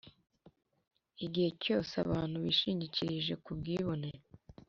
Igihe cyose abantu bishingikirije ku bwibone